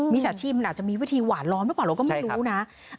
ฉาชีพมันอาจจะมีวิธีหวานล้อมหรือเปล่าเราก็ไม่รู้นะ